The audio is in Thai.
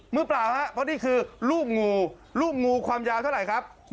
เปล่าฮะเพราะนี่คือลูกงูลูกงูความยาวเท่าไหร่ครับ